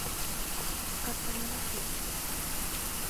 Catalana Hist.